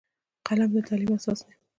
قلم د تعلیم اساس دی